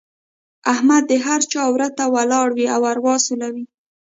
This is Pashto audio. احمد د هر چا وره ته ولاړ وي او اروا سولوي.